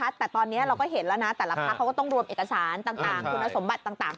แต่ตอนนี้เราก็เห็นแล้วนะแต่ละพักเขาก็ต้องรวมเอกสารต่างคุณสมบัติต่าง